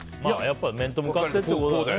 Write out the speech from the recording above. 面と向かってってことですよね。